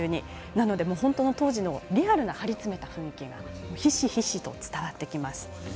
なので当時のリアルな張り詰めた雰囲気がひしひしと伝わってきます。